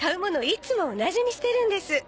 いつも同じにしてるんです。